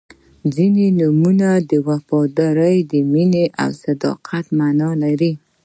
• ځینې نومونه د وفادارۍ، مینې او صداقت معنا لري.